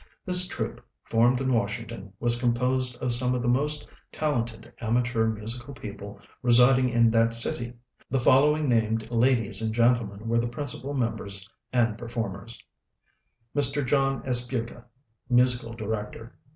This troupe, formed in Washington, was composed of some of the most talented amateur musical people residing in that city. The following named ladies and gentlemen were the principal members and performers: MR. JOHN ESPUTA _Musical Director.